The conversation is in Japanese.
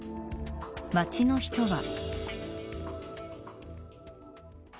町の人は。